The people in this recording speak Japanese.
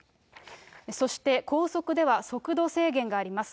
そして高速では速度制限があります。